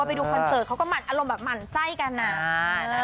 ว่าไปดูครับก็แบบอารมณ์แบบหมั่นไส้กันน่าน่าค่ะ